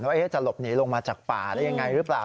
ว่าจะหลบหนีลงมาจากป่าได้ยังไงหรือเปล่า